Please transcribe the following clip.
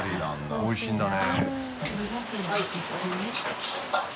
おいしいですね。